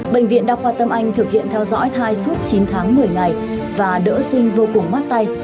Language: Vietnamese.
bệnh viện đa khoa tâm anh thực hiện theo dõi thai suốt chín tháng một mươi ngày và đỡ sinh vô cùng mát tay